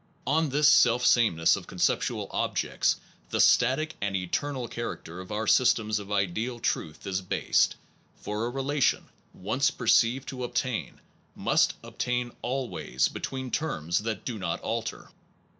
On this self sameness of con ness of ideal ceptual objects the static and eter nal character of our systems of ideal truth is based ; for a relation, once perceived to obtain, must obtain always, between terms that do not alter.